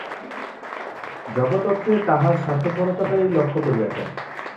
জগৎ অর্থে তাঁহারা স্বার্থপরতাকেই লক্ষ্য করিয়াছেন।